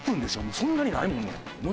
そんなにないもんもう。